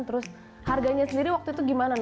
terus harganya sendiri waktu itu gimana nih